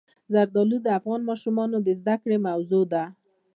زردالو د افغان ماشومانو د زده کړې موضوع ده.